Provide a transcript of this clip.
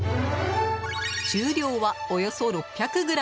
重量は、およそ６００ｇ！